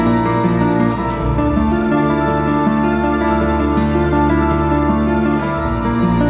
eh pertanyaan yang salah bro